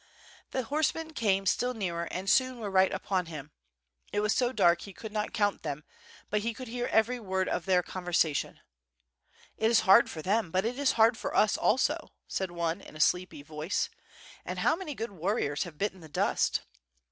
The horsemen came still nearer and soon were right upon WITH FIRE AND SWORD, y^l him. It was so dark he could not count them, but he could hear every word of their conversation. •*It is hard for them, but it is hard for us also," said one, in a sleepy voice, "and how many good warriors have bitten the dust.''